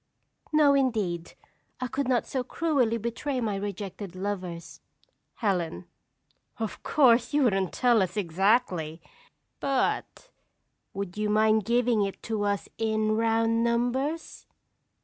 _ No, indeed! I could not so cruelly betray my rejected lovers. "Helen. Of course you wouldn't tell us exactly; but would you mind giving it to us in round numbers?